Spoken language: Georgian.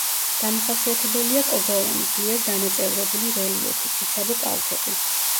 დამახასიათებელია კლდოვანი, ძლიერ დანაწევრებული რელიეფი, ციცაბო კალთები.